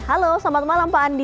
halo selamat malam pak andi